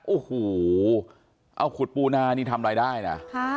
โอ้โหเอาขุดปูนานี่ทำรายได้นะ